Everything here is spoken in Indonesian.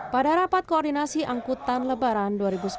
pada rapat koordinasi angkutan lebaran dua ribu sembilan belas